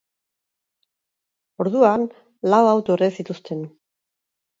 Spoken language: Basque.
Orduan, lau auto erre zituzten.